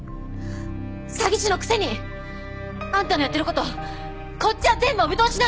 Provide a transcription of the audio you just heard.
詐欺師のくせに！あんたのやってる事こっちは全部お見通しなの！